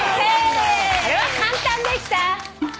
これは簡単でした。